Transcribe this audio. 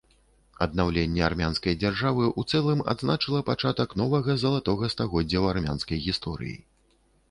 Аднаўленне армянскай дзяржавы ў цэлым адзначыла пачатак новага залатога стагоддзя ў армянскай гісторыі.